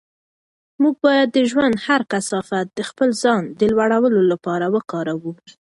موږ باید د ژوند هر کثافت د خپل ځان د لوړولو لپاره وکاروو.